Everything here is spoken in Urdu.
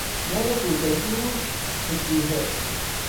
میں نے پوچھا کیوں چھٹی ہے